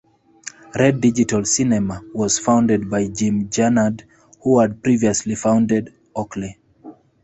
Red Digital Cinema was founded by Jim Jannard, who had previously founded Oakley.